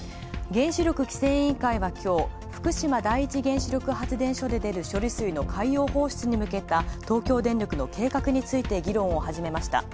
原子力規制委員会は今日、福島第一原発原子力発電所で出る処理水の海洋放出に向けた東京電力の計画について議論を始めました。